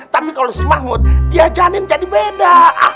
tapi kalau si mahmud diajanin jadi beda